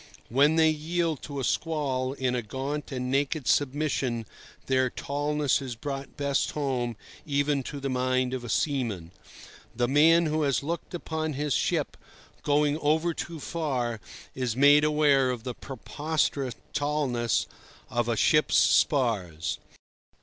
When they yield to a squall in a gaunt and naked submission, their tallness is brought best home even to the mind of a seaman. The man who has looked upon his ship going over too far is made aware of the preposterous tallness of a ship's spars.